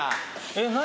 えっ何？